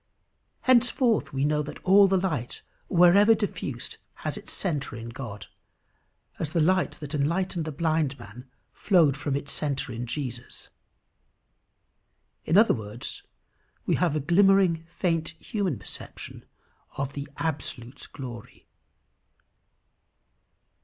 Henceforth we know that all the light wherever diffused has its centre in God, as the light that enlightened the blind man flowed from its centre in Jesus. In other words, we have a glimmering, faint, human perception of the absolute glory.